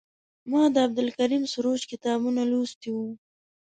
ما د عبدالکریم سروش کتابونه لوستي وو.